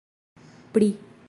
pri